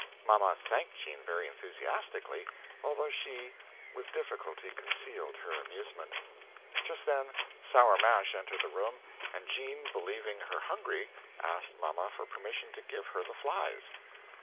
Mamma thanked Jean vary enthusiastically although she with difficulty concealed her amusement. Just then Soar Mash entered the room and Jean believing her hungry asked Mamma for permission to give her the flies.